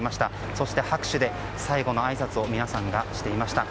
そして、拍手で最後のあいさつを皆さんがしていました。